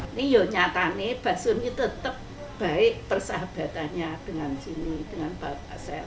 ini ya nyata nih mbak sun itu tetap baik persahabatannya dengan sini dengan bapak saya